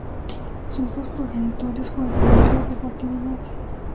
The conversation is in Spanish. Sus dos progenitores fueron miembros del Partido Nazi.